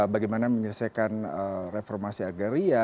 bagaimana menyelesaikan reformasi agraria